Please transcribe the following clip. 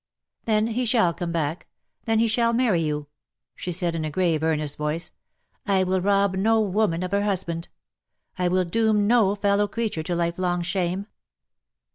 '^Then he shall come back — then he shall marry you/' she said in a grave earnest voice. " I will rob no woman of her husband. I will doom no fellow creature to lifelong shame